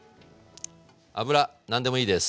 油何でもいいです。